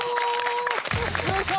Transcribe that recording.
よいしょ！